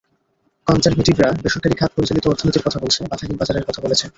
কনজারভেটিভরা বেসরকারি খাত পরিচালিত অর্থনীতির কথা বলেছে, বাধাহীন বাজারের কথা বলেছে।